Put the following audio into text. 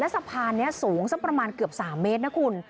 สะพานแถวนี้สูงสักประมาณเกือบที่๓เมตร